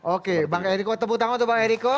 oke bang eriko tepuk tangan untuk bang eriko